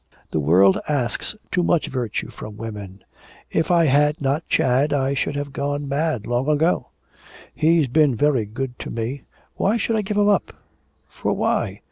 ... The world asks too much virtue from women. If I had not had Chad I should have gone mad long ago. He's been very good to me: why should I give him up? For why?